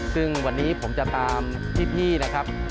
ซึ่งวันนี้ผมจะตามพี่นะครับ